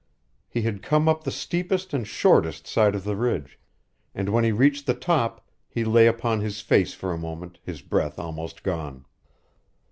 He had come up the steepest and shortest side of the ridge, and when he reached the top he lay upon his face for a moment, his breath almost gone.